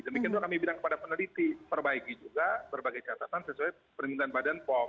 demikian juga kami bilang kepada peneliti perbaiki juga berbagai catatan sesuai permintaan badan pom